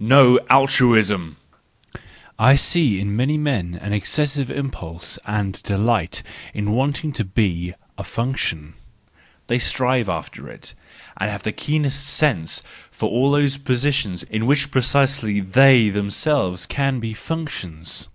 No Altruism !—I see in many men an excessive impulse and delight in wanting to be a function ; they strive after it, and have the keenest scent for all those positions in which precisely they themselves can be functions.